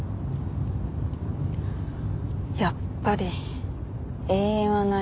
やっぱり永遠はない。